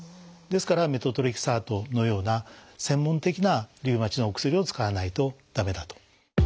ですからメトトレキサートのような専門的なリウマチのお薬を使わないと駄目だと。